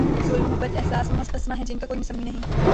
ظلم، محبت، احساس، محض اسما ہیں جن کا کوئی مسمی نہیں؟